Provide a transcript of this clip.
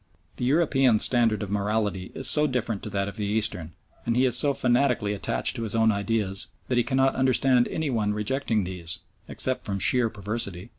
The European's standard of morality is so different to that of the Eastern, and he is so fanatically attached to his own ideas that he cannot understand any one rejecting these, except from sheer perversity.